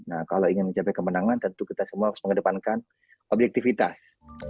nah kalau ingin mencapai kemenangan tentu kita semua harus mengedepankan objektivitas